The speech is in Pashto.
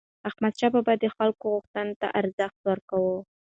احمدشاه بابا د خلکو غوښتنو ته ارزښت ورکاوه.